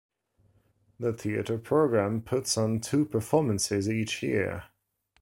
The theater program puts on two performances each year.